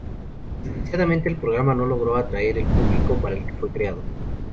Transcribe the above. Desgraciadamente el programa no logró atraer el público para el que fue creado.